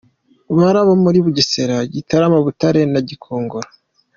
Bari abo muri Bugesera, Gitarama, Butare na Gikongoro.